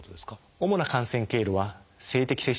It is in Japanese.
主な感染経路は性的接触